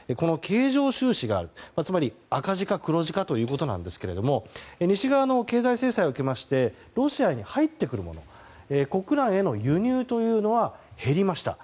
つまり、赤字か黒字かということなんですが西側の経済制裁を受けましてロシアに入ってくるもの国内への輸入というのは減りました。